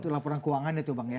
itu laporan keuangannya itu bang ya